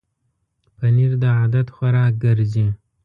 پنېر د عادت خوراک ګرځي.